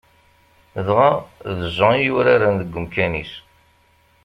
Dɣa d Jean i yuraren deg umkan-is.